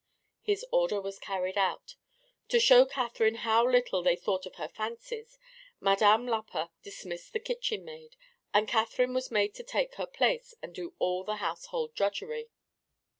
His order was carried out. To show Catherine how little they thought of her fancies Madame Lapa dismissed the kitchen maid, and Catherine was made to take her place and do all the household drudgery.